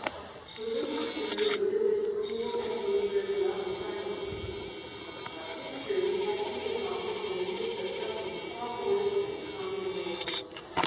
The winter journey would have been cruel and dangerous enough in time of peace; but this journey had to be accomplished in the midst of something far worse than common war.